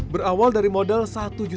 berobat barang dibawah halus baik sama biake